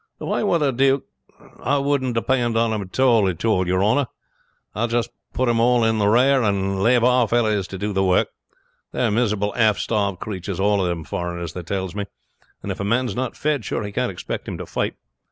"If I were the duke I wouldn't dipend on them at all, at all, your honor. I would just put them all in the rare, and lave our fellows to do the work. They are miserable, half starved cratures all them foreigners, they tells me; and if a man is not fed, sure you can't expect him to fight.